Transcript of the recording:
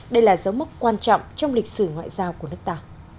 đây là dấu mốc quan trọng trong lịch sử ngoại giao của nước ta